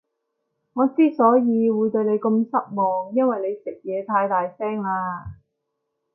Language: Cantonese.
我之所以會對你咁失望，因為你食嘢太大聲喇